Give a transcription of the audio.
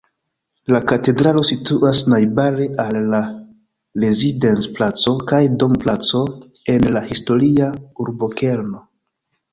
La katedralo situas najbare al la Rezidenz-placo kaj Dom-placo en la historia urbokerno.